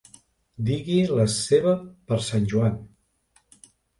Digui la seva per sant Joan.